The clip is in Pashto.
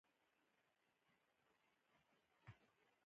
د غونډۍ له سره چې وګورې مړ سمندر ښکاري.